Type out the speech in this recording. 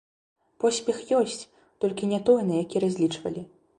Поспех ёсць, толькі не той, на які разлічвалі.